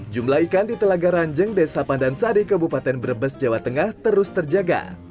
jumlah ikan di telaga ranjeng desa pandansari kabupaten brebes jawa tengah terus terjaga